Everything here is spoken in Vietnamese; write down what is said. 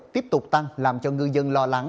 tiếp tục tăng làm cho ngư dân lo lắng